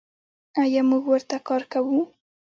آیا موږ ورته کار کوو؟